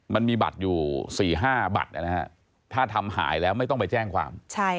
มันมีบัตรอยู่๔๕บัตรนะฮะถ้าทำหายแล้วไม่ต้องไปแจ้งความ